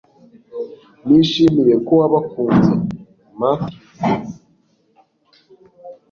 Nishimiye ko wabakunze, Mathew.